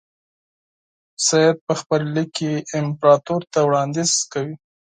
سید په خپل لیک کې امپراطور ته وړاندیز کوي.